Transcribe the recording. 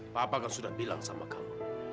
papa kan sudah bilang sama kamu